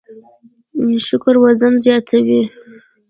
شکر وزن زیاتوي